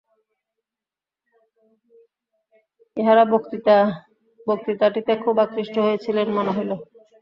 ইঁহারা বক্তৃতাটিতে খুব আকৃষ্ট হইয়াছিলেন, মনে হইল।